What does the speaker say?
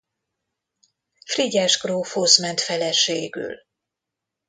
Frigyes grófhoz ment feleségül.